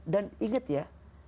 dan ingat ya